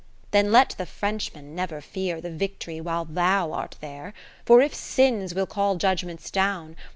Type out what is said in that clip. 20 VI Then let the Frenchmen never fear The victory while thou art there : Forif sins will call judgements down.